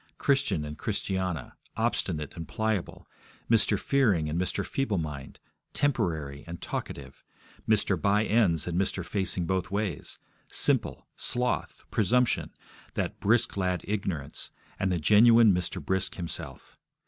Christian and Christiana, Obstinate and Pliable, Mr. Fearing and Mr. Feeblemind, Temporary and Talkative, Mr. By ends and Mr. Facing both ways, Simple, Sloth, Presumption, that brisk lad Ignorance, and the genuine Mr. Brisk himself.